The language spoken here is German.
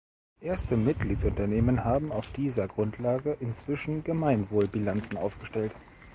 Erste Mitgliedsunternehmen haben auf dieser Grundlage inzwischen Gemeinwohl-Bilanzen aufgestellt.